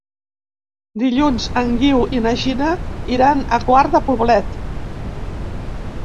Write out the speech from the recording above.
Dilluns en Guiu i na Gina iran a Quart de Poblet.